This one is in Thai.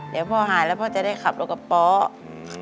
เดี๋ยวพ่อหายแล้วพ่อจะได้ขับรถกระเป๋า